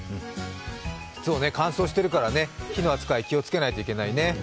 そうね乾燥してるから火の扱い気をつけないといけないね。